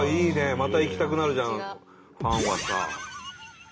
また行きたくなるじゃんファンはさ。